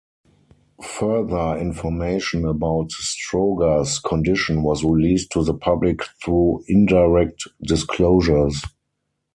Further information about Stroger's condition was released to the public through indirect disclosures.